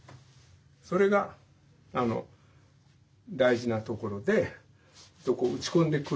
それが大事なところで打ち込んでくる。